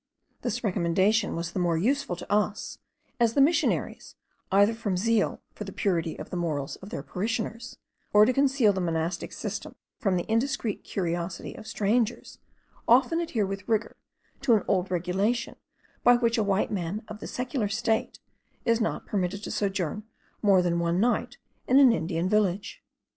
This recommendation was the more useful to us, as the missionaries, either from zeal for the purity of the morals of their parishioners, or to conceal the monastic system from the indiscreet curiosity of strangers, often adhere with rigour to an old regulation, by which a white man of the secular state is not permitted to sojourn more than one night in an Indian village.